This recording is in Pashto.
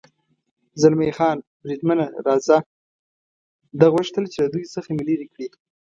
زلمی خان: بریدمنه، راځه، ده غوښتل چې له دوی څخه مې لرې کړي.